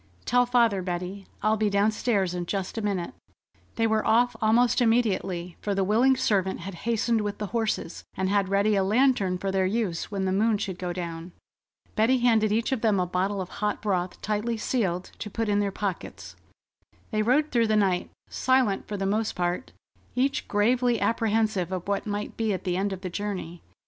... Tell father, Betty. I'll be downstairs in just a minute." They were off almost immediately, for the willing servant had hastened with the horses, and had ready a lantern for their use when the moon should go down. Betty handed each of them a bottle of hot broth tightly sealed, to put in their pockets. They rode through the night, silent for the most part, each gravely apprehensive of what might be at the end of the journey.